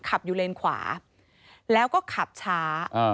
ขับอยู่เลนขวาแล้วก็ขับช้า